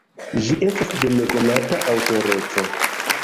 Ĝi estas de nekonata aŭtoreco.